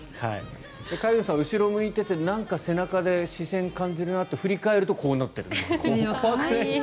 飼い主さん、後ろを向いていてなんか背中で視線を感じるなって振り返ると怖いよね。